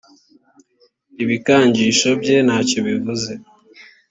ibikangisho bye ntacyobivuze.